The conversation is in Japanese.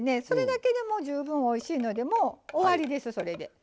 それだけでも十分おいしいのでもう終わりですそれで。